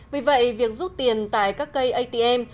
vì vậy việc rút tiền tại các cây atm